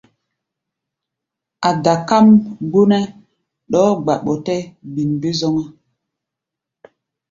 A̧ dakáʼm gbonɛ́ ɗɔɔ́ gba ɓɔtɛ́-bin-bé-zɔ́ŋá.